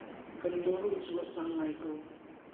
Kan luruh cu a cang ngai ko.